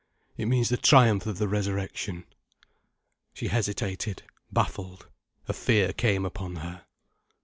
"It means the triumph of the Resurrection." She hesitated, baffled, a fear came upon her.